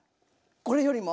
これよりも？